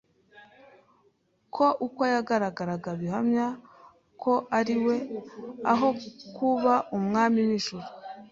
ko uko yagaragaraga bihamya ko ari we; aho kuba umwami w’ijuru,